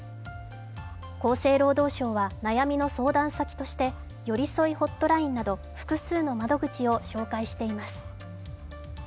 厚生労働省は悩みの相談先としてよりそいホットラインなど複数の窓口を紹介しています。